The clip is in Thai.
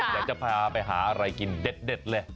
อยากจะพาไปหาอะไรกินเด็ดเลย